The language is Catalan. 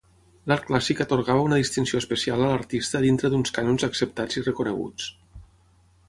L'art clàssic atorgava una distinció especial a l'artista dintre d'uns cànons acceptats i reconeguts.